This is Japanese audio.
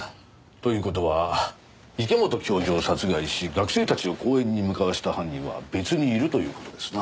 という事は池本教授を殺害し学生たちを公園に向かわせた犯人は別にいるという事ですな。